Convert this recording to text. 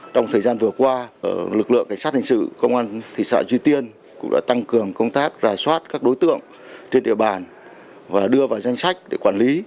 trong thời gian vừa qua lực lượng cảnh sát hình sự công an thị xã duy tiên cũng đã tăng cường công tác rà soát các đối tượng trên địa bàn và đưa vào danh sách để quản lý